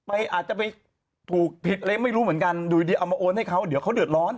อาจจะไปถูกผิดอะไรไม่รู้เหมือนกันอยู่ดีเอามาโอนให้เขาเดี๋ยวเขาเดือดร้อน